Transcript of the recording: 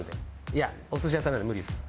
いやお寿司屋さんなんで無理です。